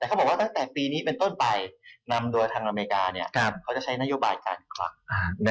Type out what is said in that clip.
แต่เขาบอกว่าตั้งแต่ปีนี้เป็นต้นไปนำโดยทางอเมริกาเขาจะใช้นโยบายการคลัก